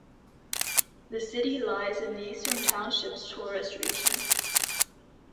The city lies in the Eastern Townships tourist region.